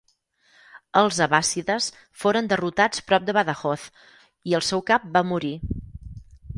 Els abbàssides foren derrotats prop de Badajoz i el seu cap va morir.